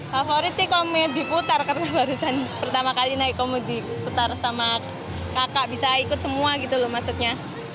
favorit sih komedi putar karena barusan pertama kali naik komedi putar sama kakak bisa ikut semua gitu loh maksudnya